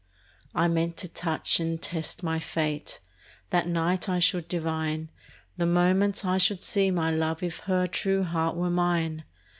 I meant to touch and test my fate; That night I should divine, The moment I should see my love, If her true heart were mine.